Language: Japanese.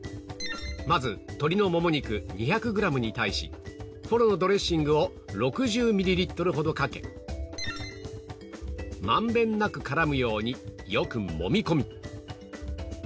まず鶏のモモ肉２００グラムに対しフォロのドレッシングを６０ミリリットルほどかけ満遍なく絡むようによく揉み込み